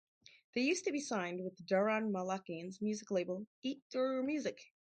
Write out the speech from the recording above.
They used to be signed with Daron Malakian's music label EatUrMusic.